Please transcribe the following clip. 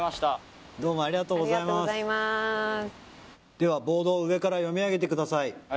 ではボードを上から読み上げてください